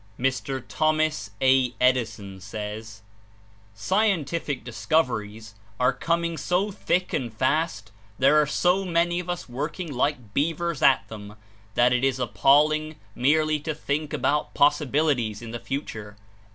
Mr. Thomas A. Edison says: ''Scientific discoveries are coming so thick and fast, there are so many of us working like beavers at them, that it is appalling merely to think about possibilities in the future.